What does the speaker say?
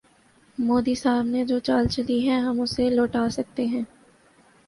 مودی صاحب نے جو چال چلی ہے، ہم اسے لوٹا سکتے ہیں۔